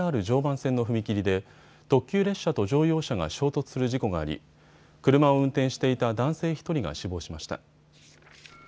けさ、茨城県笠間市のＪＲ常磐線の踏切で特急列車と乗用車が衝突する事故があり車を運転していた男性１人が死亡しました。